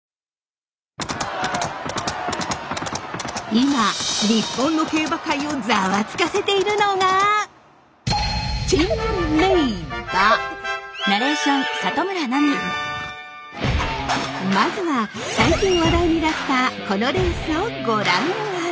今日本の競馬界をザワつかせているのがまずは最近話題になったこのレースをご覧あれ！